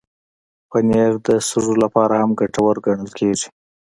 پنېر د سږو لپاره هم ګټور ګڼل شوی.